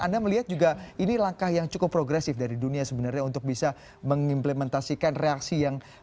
anda melihat juga ini langkah yang cukup progresif dari dunia sebenarnya untuk bisa mengimplementasikan reaksi yang